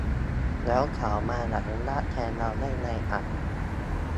แล้วเขามาอนุญาตแทนเราได้ไงอะ